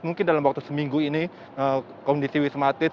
mungkin dalam waktu seminggu ini kondisi wisma atlet sudah